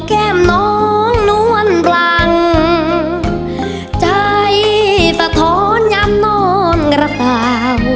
แก้มน้องนวลรังใจสะท้อนยามน้อมหรือเปล่า